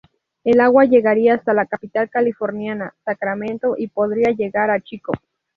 El agua llegaría hasta la capital californiana, Sacramento, y podría hasta llegar a Chico.